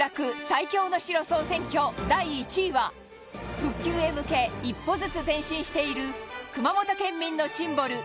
最強の城総選挙、第１位は復旧へ向け一歩ずつ前進している熊本県民のシンボル